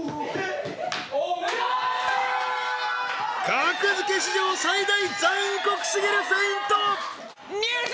格付け史上最大残酷すぎるフェイントＮＥＷＳ！